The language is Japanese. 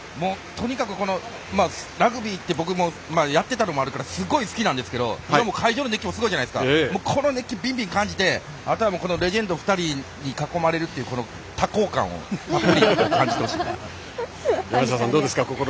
とにかくラグビーって僕もやってたのもあるからすごい好きなんですけど会場の熱気もすごくてこの熱気を感じてあとはレジェンド２人に囲まれるという多幸感をたっぷり感じてほしいです。